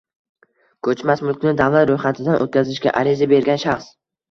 Ko‘chmas mulkni davlat ro‘yxatidan o‘tkazishga ariza bergan shaxs